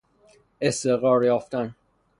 استقرار یافتن